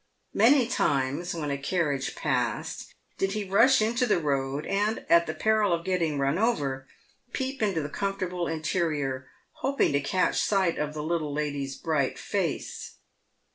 Many times when a carriage passed did he rush into the road and, at the peril of getting run over, peep into the comfortable interior, hoping to catch sight of the little lady's bright face.